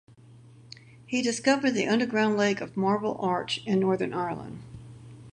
He discovered the underground lake of Marble Arch in Northern Ireland.